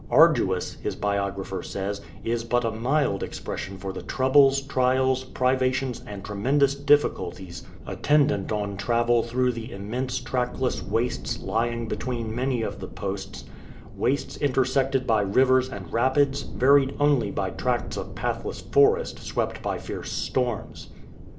"Arduous,"''' his biographer says, "is but a mild expression for the troubles, trials, privations, and tre mendous difficulties attendant on travel through the im mense trackless wastes lying between many of the posts — wastes intersected by rivers and rapids, varied only by tracts of pathless forest swept by fierce storms.